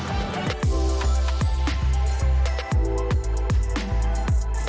กลับมาก่อนสวัสดีครับ